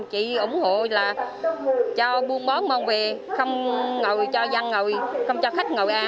chị ủng hộ là